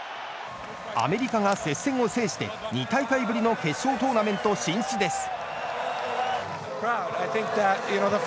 アメリカが接戦を制して２大会ぶりの決勝トーナメント進出です。